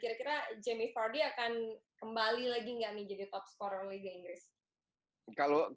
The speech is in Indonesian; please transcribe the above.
kira kira jamie vardy akan kembali lagi nggak nih jadi top scorer liga inggris